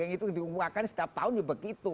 yang itu diunggahkan setiap tahun juga begitu